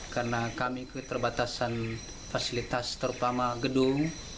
karena kami keterbatasan fasilitas terutama gedung